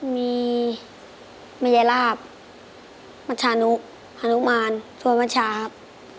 มีมัยลาบมัชชานุฮานุมานถ้วยมัชชาครับ